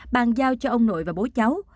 bàn giao cho ông nội và bố cháu